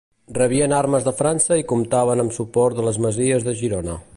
Rebien armes de França i comptaven amb suport de les masies de Girona.